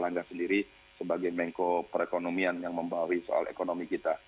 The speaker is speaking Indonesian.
dan juga dengan pak erlangga sendiri sebagai menko perekonomian yang membawa soal ekonomi kita